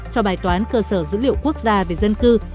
cho bài toán cơ sở dữ liệu quốc gia về dân cư